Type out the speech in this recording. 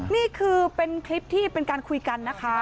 นี่คือเป็นคลิปที่เป็นการคุยกันนะคะ